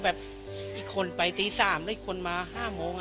แบบอีกคนไปตี๓แล้วอีกคนมา๕โมงอะไรอย่างนี้